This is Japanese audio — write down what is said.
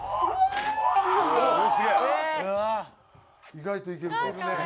意外といける。